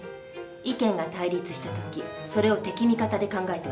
意見が対立した時それを敵味方で考えては駄目。